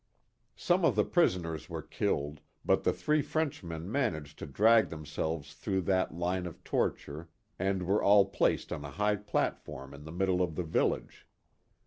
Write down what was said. Some of the prisoners were killed, but the three Frenchmen managed to drag themselves through that line of torture, and were all placed on a high platform in the middle of the village.